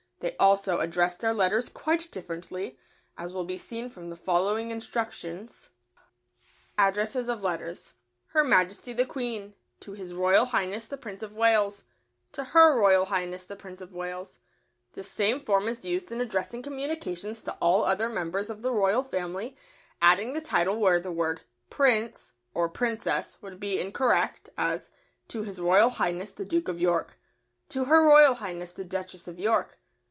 They also address their letters quite differently, as will be seen from the following instructions: ADDRESSES OF LETTERS. Her Majesty the Queen. To His Royal Highness the Prince of Wales. To Her Royal Highness the Princess of Wales. This same form is used in addressing communications to all other members of the Royal Family, adding the title where the word "Prince" or "Princess" would be incorrect, as: To His Royal Highness the Duke of York. To Her Royal Highness the Duchess of York.